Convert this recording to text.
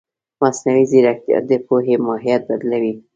مصنوعي ځیرکتیا د پوهې ماهیت بدلوي.